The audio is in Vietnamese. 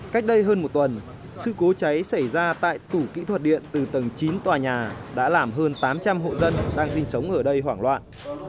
cách đây hơn một tuần sự cố cháy xảy ra tại tủ kỹ thuật điện từ tầng chín tòa nhà đã làm hơn tám trăm linh hộ dân đang sinh sống ở đây hoảng loạn